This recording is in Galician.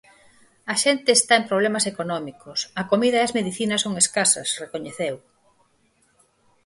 A xente está en problemas económicos, a comida e as medicinas son escasas, recoñeceu.